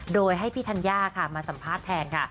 โดยให้พี่ธัญญาค่ะมาสัมภาษณ์แทนค่ะ